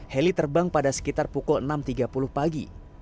heli terbang pada sekitar pukul enam tiga puluh pagi